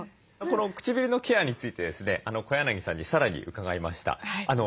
この唇のケアについてですね小柳さんに更に伺いました。